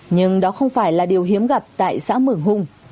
nhưng đó không phải là điều hiếm gặp tại xã mường hùng